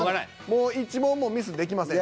もう１問もミスできません。